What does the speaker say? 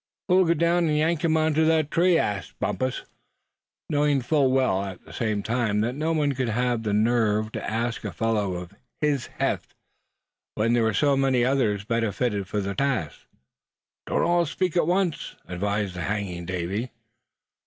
"Who'll go down, and yank him on to that tree?" asked Bumpus; knowing full well at the same time that no one could have the nerve to ask a fellow of his heft, when there were so many others better fitted for the task. "Don't all speak at once!" advised the hanging Davy.